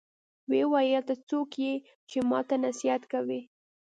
ومې ويل ته څوک يې چې ما ته نصيحت کوې.